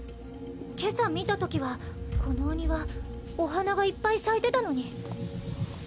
今朝見たときはこのお庭お花がいっぱい咲いてたのに。